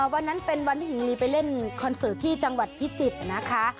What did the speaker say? วันนั้นเป็นวันที่หญิงลีไปเล่นคอนเสิร์ตที่จังหวัดพิจิตรนะคะ